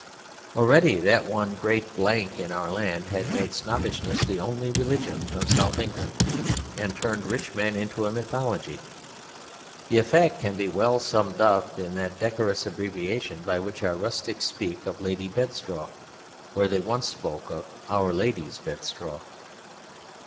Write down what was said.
Already that one great blank in our land had made snobbishness the only religion of South England; and turned rich men into a mythology. The effect can be well summed up in that decorous abbreviation by which our rustics speak of "Lady's Bedstraw," where they once spoke of "Our Lady's Bedstraw."